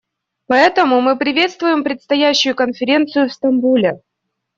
Поэтому мы приветствуем предстоящую конференцию в Стамбуле.